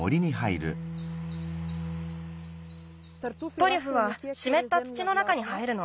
トリュフはしめった土の中に生えるの。